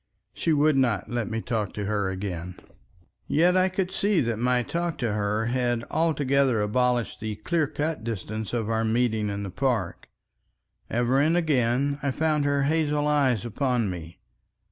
She would not let me talk to her again. Yet I could see that my talk to her had altogether abolished the clear cut distance of our meeting in the park. Ever and again I found her hazel eyes upon me.